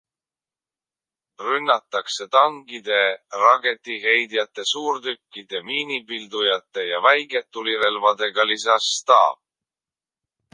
Rünnatakse tankide, raketiheitjate, suurtükkide, miinipildujate ja väiketulirelvadega, lisas staap.